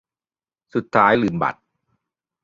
สุดท้ายลืมบัตร